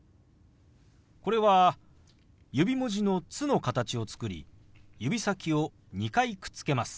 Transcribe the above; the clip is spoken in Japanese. これは指文字の「つ」の形を作り指先を２回くっつけます。